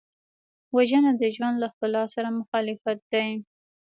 وژنه د ژوند له ښکلا سره مخالفت دی